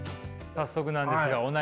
早速なんですがお悩みを。